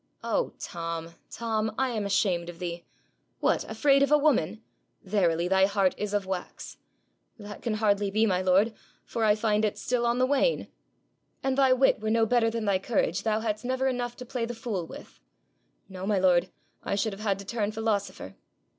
'Oh, Tom, Tom! I am ashamed of thee. What! Afraid of a woman? Verily, thy heart is of wax.' 'That can hardly be, my lord, for I find it still on the wane.' 'An' thy wit were no better than thy courage, thou hadst never had enough to play the fool with.' 'No, my lord; I should have had to turn philosopher.'